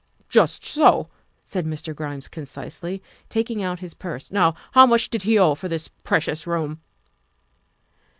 "Just so," said Mr. Grimes concisely, taking out his purse; " now, how much did he owe for this precious room?"